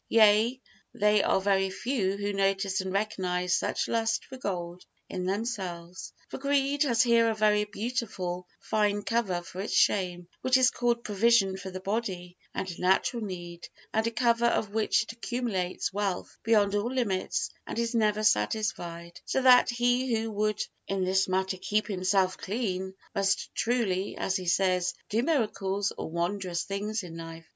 Yea, they are very few who notice and recognise such lust for gold in themselves. For greed has here a very beautiful, fine cover for its shame, which is called provision for the body and natural need, under cover of which it accumulates wealth beyond all limits and is never satisfied; so that he who would in this matter keep himself clean, must truly, as he says, do miracles or wondrous things in his life.